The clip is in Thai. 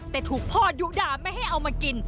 แต่ถูกพ่อดุด่าไม่ให้เอามากิน